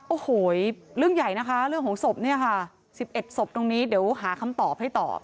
โอ้โหเรื่องใหญ่นะคะเรื่องของศพเนี่ยค่ะ๑๑ศพตรงนี้เดี๋ยวหาคำตอบให้ตอบ